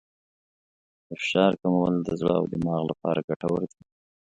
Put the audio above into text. د فشار کمول د زړه او دماغ لپاره ګټور دي.